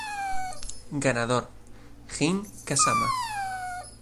Ganador: Jin Kazama.